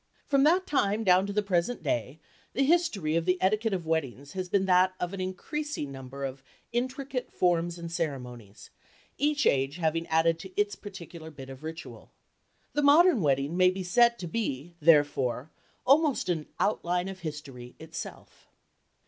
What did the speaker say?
From that time down to the present day the history of the etiquette of weddings has been that of an increasing number of intricate forms and ceremonies, each age having added its particular bit of ritual. The modern wedding may be said to be, therefore, almost an "Outline of History" itself.